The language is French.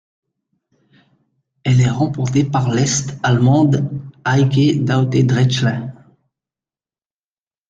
Elle est remportée par l'Est-allemande Heike Daute-Drechsler.